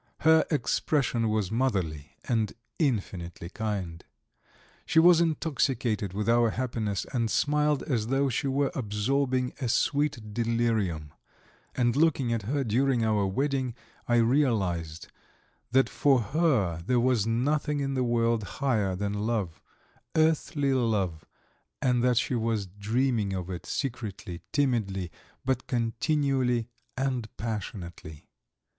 Her expression was motherly and infinitely kind. She was intoxicated with our happiness, and smiled as though she were absorbing a sweet delirium, and looking at her during our wedding, I realized that for her there was nothing in the world higher than love, earthly love, and that she was dreaming of it secretly, timidly, but continually and passionately.